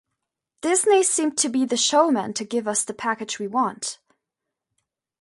Disney seemed to be the showman to give us the package we want ...